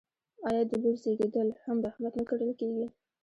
آیا د لور زیږیدل هم رحمت نه ګڼل کیږي؟